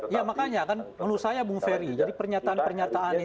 ya makanya kan menurut saya bung ferry jadi pernyataan pernyataan ini